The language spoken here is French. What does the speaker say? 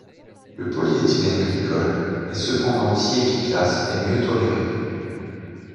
Le polyéthylène glycol est cependant aussi efficace et mieux toléré.